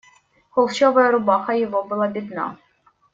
Холщовая рубаха его была бедна.